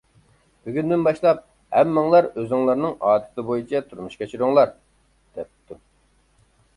بۈگۈندىن باشلاپ، ھەممىڭلار ئۆزۈڭلارنىڭ ئادىتى بويىچە تۇرمۇش كەچۈرۈڭلار! دەپتۇ.